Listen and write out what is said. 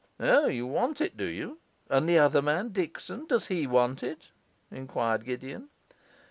'O, you want it, do you? And the other man, Dickson does he want it?' enquired Gideon.